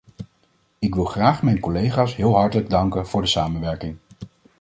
Ik wil graag mijn collega's heel hartelijk danken voor de samenwerking.